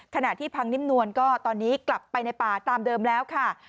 ขณะที่พังนิ่มนวลก็ตอนนี้กลับไปในป่าตามเดิมแล้วค่ะ